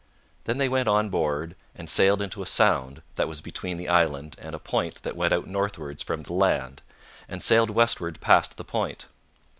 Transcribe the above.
Then they went on board and sailed into a sound that was between the island and a point that went out northwards from the land, and sailed westward past the point.